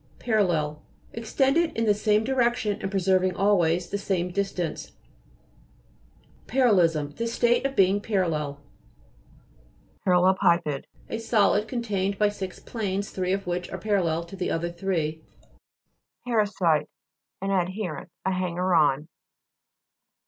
PARALLEL Extended in the same direction and preserving always the same distance. PARALLE'LISM The state of being parallel. PARALLE'PIPED A solid contained by six planes, three of which are parallel to the other three. GLOSSARY. GEOLOGY. 229 PA'RASITE An adherent, a hanger on.